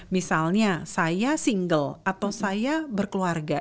misalnya saya single atau saya berkeluarga